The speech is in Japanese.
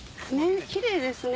キレイですね